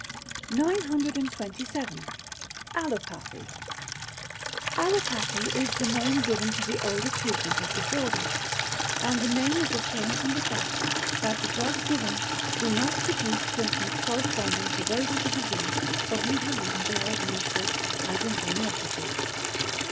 927. Allopathy Allopathy is the name given to the older treatment of disorders, and the name is obtained from the fact, that the drugs given, do not produce symptoms corresponding to those of the disease for whose relief they are administered as in homoeopathy.